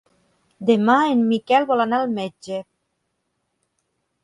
Demà en Miquel vol anar al metge.